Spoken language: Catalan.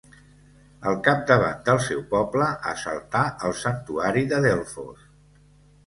Al capdavant del seu poble, assaltà el santuari de Delfos.